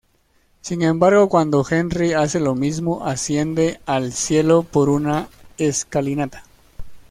Sin embargo, cuando Henry hace lo mismo asciende al Cielo por una escalinata.